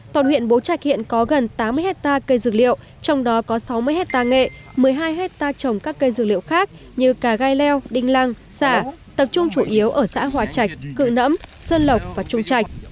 toàn huyện bố trạch hiện có gần tám mươi hectare cây dược liệu trong đó có sáu mươi hectare nghệ một mươi hai hectare trồng các cây dược liệu khác như cà gai leo đinh lăng xả tập trung chủ yếu ở xã hòa trạch cự nẫm sơn lộc và trung trạch